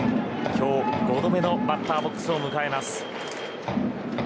今日５度目のバッターボックスを迎えます。